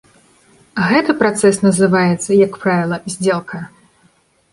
Гэты працэс называецца, як правіла, здзелка.